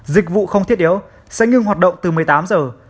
dịch vụ không thiết yếu sẽ ngưng hoạt động từ một mươi tám giờ